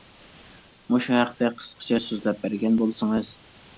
مۇشۇ ھەقتە قىسقىچە سۆزلەپ بەرگەن بولسىڭىز.